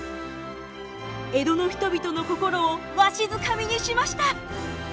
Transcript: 江戸の人々の心をわしづかみにしました。